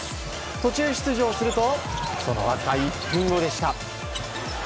途中出場するとそのわずか１分後でした。